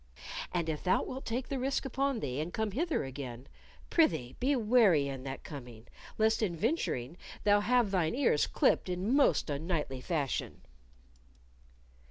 And if thou wilt take the risk upon thee and come hither again, prithee be wary in that coming, lest in venturing thou have thine ears clipped in most unknightly fashion."